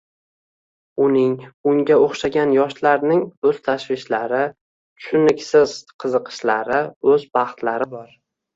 Uning, unga oʻxshagan yoshlarning oʻz tashvishlari, tushuniksiz qiziqishlari, oʻz baxtlari bor.